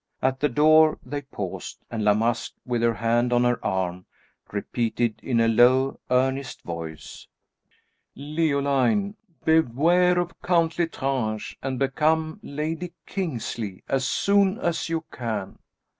At the door they paused, and La Masque, with her hand on her arm, repeated, in a low, earnest voice, "Leoline, beware of Count L'Estrange, and become Lady Kingsley as soon as you can."